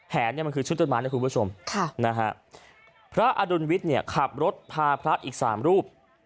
แหนมันคือชุดต้นม้านนะครับคุณผู้ชมพระอดุลวิทย์ขับรถพาพระอาทิตย์อีกสามรูป